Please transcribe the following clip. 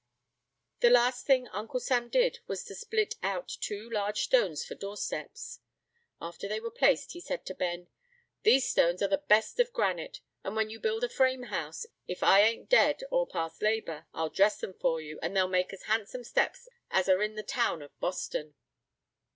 The last thing Uncle Sam did was to split out two large stones for doorsteps. After they were placed, he said to Ben, "These stones are the best of granite; and when you build a frame house, if I ain't dead, or past labor, I'll dress them for you, and they'll make as handsome steps as are in the town of Boston."